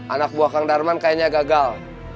anak buah kang darman kayaknya gagal